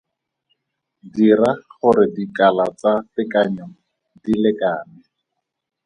Dira gore dikala tsa tekanyo di lekane.